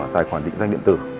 tài khoản định danh điện tử